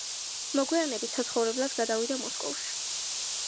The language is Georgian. მოგვიანებით საცხოვრებლად გადავიდა მოსკოვში.